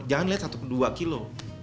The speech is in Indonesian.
jangan lihat satu dua kilo